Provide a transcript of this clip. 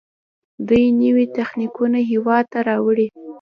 دوی نوي تخنیکونه هیواد ته راوړي.